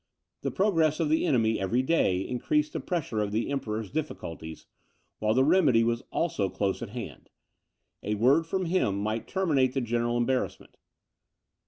The progress of the enemy every day increased the pressure of the Emperor's difficulties, while the remedy was also close at hand; a word from him might terminate the general embarrassment.